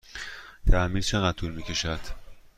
تعمیر چقدر طول می کشد؟